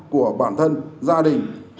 của bản thân gia đình